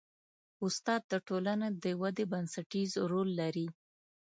استاد د ټولنې د ودې بنسټیز رول لري.